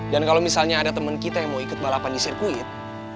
dan kalau misalnya ada temen kita yang mau ikut balapan di sirkuit